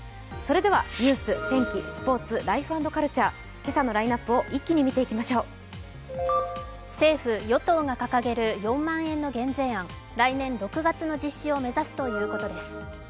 ニュース、天気、スポーツ、ライフ＆カルチャー、今朝のラインナップを一気に見ていきましょう政府・与党が掲げる４万円の減税案、来年６月の実施を目指すということです。